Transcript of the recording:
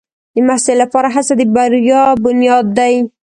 د محصل لپاره هڅه د بریا بنیاد دی.